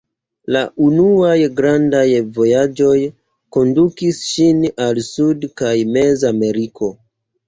La unuaj grandaj vojaĝoj kondukis ŝin al Sud- kaj Mez-Ameriko.